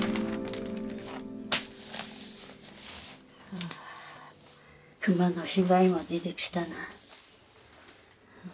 あ熊の被害も出てきたな。